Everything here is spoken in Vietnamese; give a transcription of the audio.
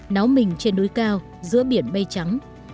náo mình trên núi cao giữa biển mây trắng